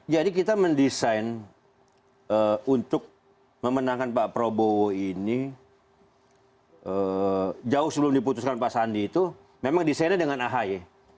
jadi kita mendesain untuk memenangkan pak prabowo ini jauh sebelum diputuskan pak sandy itu memang desainnya dengan ahay